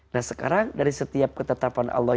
nah sekarang dari setiap ketetapan allah